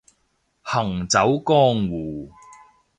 行走江湖